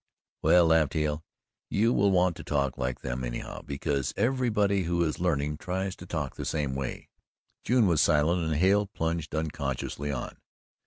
"Well," laughed Hale, "you will want to talk like them anyhow, because everybody who is learning tries to talk the same way." June was silent, and Hale plunged unconsciously on.